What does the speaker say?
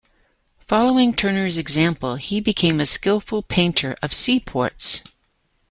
Following Turner's example, he became a skillful painter of seaports.